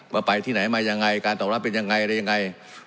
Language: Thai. ว่าไปที่ไหนมายังไงการตอบรับเป็นยังไงอะไรยังไง